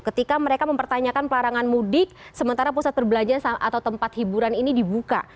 ketika mereka mempertanyakan pelarangan mudik sementara pusat perbelanjaan atau tempat hiburan ini dibuka